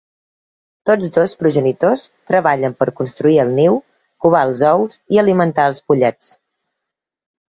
Tots dos progenitors treballen per construir el niu, covar els ous i alimentar els pollets.